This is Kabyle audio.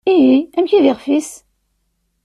Ihi, amek i d ixf-is?